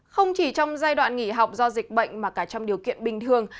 không chỉ trong giai đoạn nghỉ học do dịch bệnh mà cả trong điều kiện bình thường